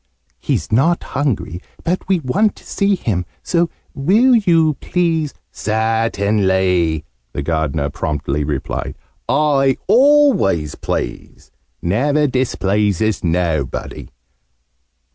"He's not hungry. But we want to see him. So Will you please " "Certainly!" the Gardener promptly replied. "I always please. Never displeases nobody.